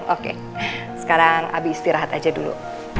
oke sekarang abi istirahat aja dulu